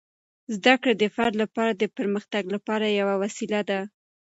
زده کړه د فرد لپاره د پرمختګ لپاره یوه وسیله ده.